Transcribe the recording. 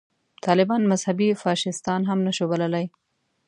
طالبان مذهبي فاشیستان هم نه شو بللای.